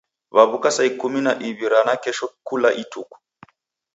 Waw'uka saa ikumi na iw'i ra nakesho kula ituku.